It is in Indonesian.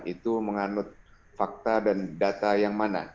itu menganut fakta dan data yang mana